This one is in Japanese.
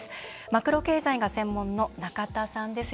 マクロ経済が専門の仲田さんです。